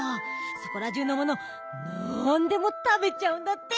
そこらじゅうのものなんでもたべちゃうんだって。